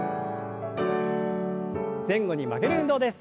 前後に曲げる運動です。